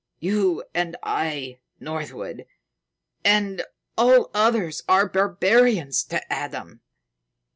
You and I, Northwood, and all others are barbarians to Adam.